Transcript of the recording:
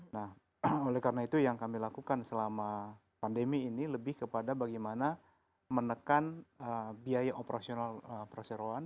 nah oleh karena itu yang kami lakukan selama pandemi ini lebih kepada bagaimana menekan biaya operasional perseroan